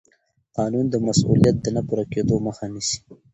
قانون د مسوولیت د نه پوره کېدو مخه نیسي.